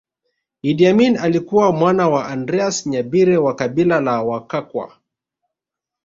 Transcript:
Idi Amin alikuwa mwana wa Andreas Nyabire wa kabila la Wakakwa